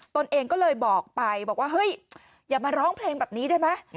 ตนเองก็เลยบอกไปบอกว่าเฮ้ยอย่ามาร้องเพลงแบบนี้ได้ไหม